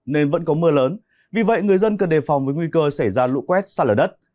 nên vẫn có mưa lớn vì vậy người dân cần đề phòng với nguy cơ xảy ra lũ quét xa lở đất